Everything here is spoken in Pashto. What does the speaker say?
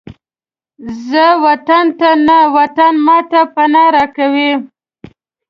زه وطن ته نه، وطن ماته پناه راکوي